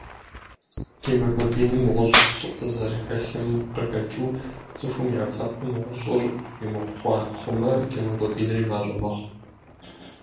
Гемоглобиным гъущӏ зэрыхэлъым къыхэкӏыу, цӏыхум и ӏэпкълъэпъым гъущӏыр хуримыкъу хъумэ, гемоглобинри мащӏэ мэхъу.